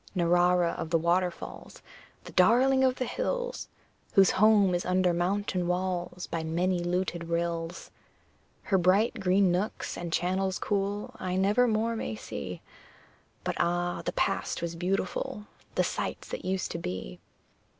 Narrara of the waterfalls, The darling of the hills, Whose home is under mountain walls By many luted rills! Her bright green nooks and channels cool I never more may see; But, ah! the Past was beautiful The sights that used to be.